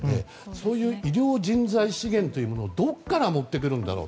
そういう医療人材資源というのをどこから持ってくるんだろう